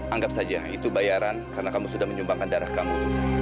anggap saja itu bayaran karena kamu sudah menyumbangkan darah kamu